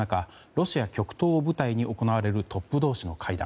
ロシア極東を舞台に行われるトップ同士の会談。